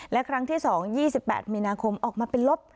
และครั้งที่๒๒๘มีนาคมออกมาเป็นลบ